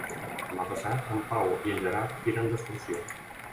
Demà passat en Pau i en Gerard iran d'excursió.